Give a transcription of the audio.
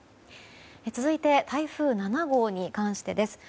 続いて、台風７号に関してです。